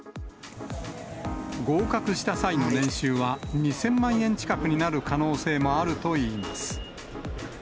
合格した際の年収は２０００万円近くになる可能性もあるといいます。